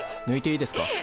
ぬいていいですか？